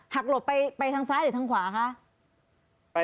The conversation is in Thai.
หลบไปทางซ้ายหรือทางขวาคะ